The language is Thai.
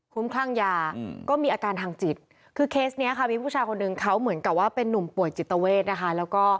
คุ้มคลั่งยาก็มีอาการทางจิตคือเคสเนี้ยค่ะมีผู้ชายคนหนึ่งเขาเหมือนกับว่าเป็นนุ่มป่วยจิตเวทนะคะแล้วก็